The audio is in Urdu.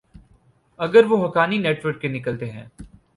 اگر وہ حقانی نیٹ ورک کے نکلتے ہیں۔